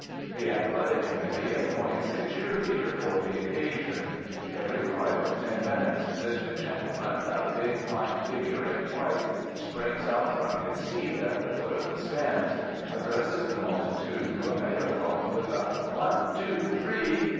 The Athletic Committee appoints a 'cheer leader' for the occasion. Every five or ten minutes this gentleman, a big, fine figure in white, springs out from his seat at the foot of the stands, addresses the multitude through a megaphone with a 'One! Two! Three!'